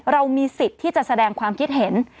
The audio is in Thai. เรามีสิทธิ์ที่จะแสดงความคิดเห็น